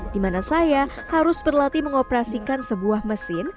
dimana saya harus berlatih mengoperasikan sebuah mesin